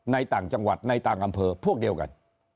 ต่างจังหวัดในต่างอำเภอพวกเดียวกัน